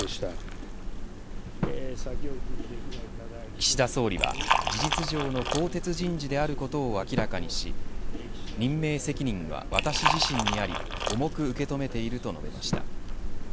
岸田総理は、事実上の更迭人事であることを明らかにし任命責任は私自身にあり重く受け止めていると述べました。